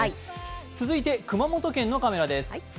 続いて熊本県のカメラです。